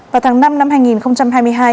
vào tháng năm năm hai nghìn hai mươi hai